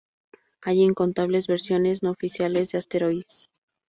Hay incontables versiones no oficiales de Asteroids.